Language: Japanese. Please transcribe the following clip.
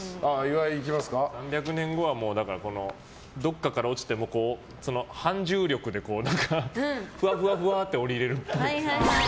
３００年後はどっかから落ちても反重力でふわふわって降りれるっぽい。